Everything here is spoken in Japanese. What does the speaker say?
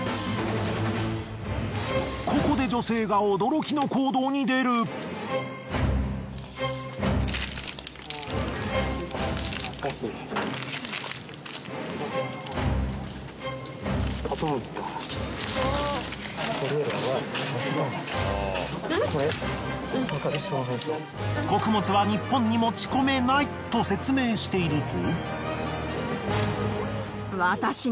ここで女性が穀物は日本に持ち込めないと説明していると。